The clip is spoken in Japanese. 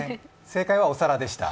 正解はお皿でした。